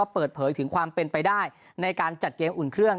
เปิดเผยถึงความเป็นไปได้ในการจัดเกมอุ่นเครื่อง